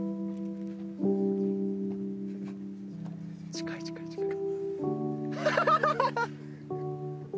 近い近い近い。